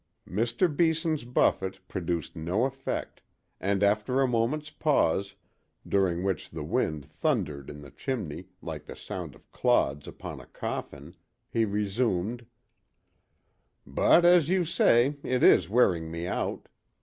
Mr. Beeson's buffet produced no effect, and after a moment's pause, during which the wind thundered in the chimney like the sound of clods upon a coffin, he resumed: "But, as you say, it is wearing me out.